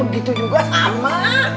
begitu juga sama